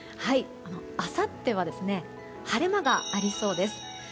あさっては晴れ間がありそうです。